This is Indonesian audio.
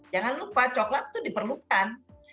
jangan lupa coklat itu diperlukan